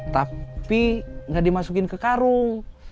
tapi nggak dimasukin ke karung